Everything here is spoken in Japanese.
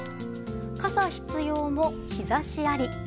傘必要も、日差しあり。